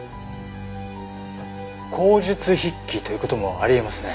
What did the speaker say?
口述筆記という事もあり得ますね。